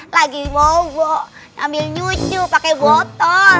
lagi bobo ambil nyucuk pakai botol